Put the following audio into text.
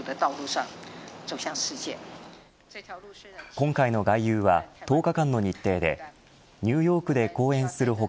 今回の外遊は１０日間の日程でニューヨークで講演する他